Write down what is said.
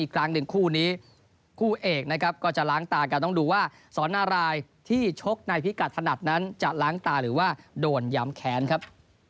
คู่เอกนะครับก็จะล้างตากันต้องดูว่าสอนารายที่ชกในพิกัดถนัดนั้นจะล้างตาหรือว่าโดนย้ำแขนครับ